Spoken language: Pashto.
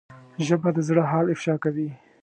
ژبه د زړه حال افشا کوي